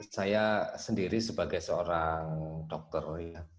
saya sendiri sebagai seorang dokter